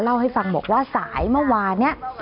เล่าให้ฟังบอกว่าสายเมื่อวานนี้